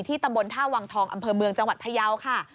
ตำบลท่าวังทองอำเภอเมืองจังหวัดพยาวค่ะ